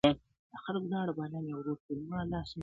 پر اوږو کتاب اخیستې؛ نن د علم جنازه ده.